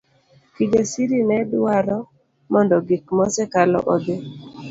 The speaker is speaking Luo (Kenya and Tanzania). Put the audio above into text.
Kijasir nedwaro mondo gik mosekalo odhi.